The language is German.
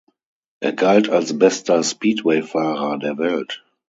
Er galt als bester Speedwayfahrer der Welt.